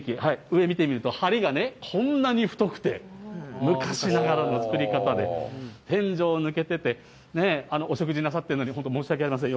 上見てみると、はりがね、こんなに太くて、昔ながらの作り方で、天井抜けてて、お食事なさってるのに、本当、申し訳ありません。